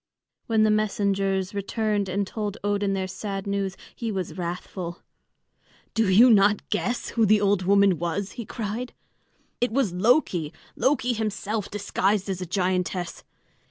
When the messengers returned and told Odin their sad news, he was wrathful. "Do you not guess who the old woman was?" he cried. "It was Loki Loki himself, disguised as a giantess.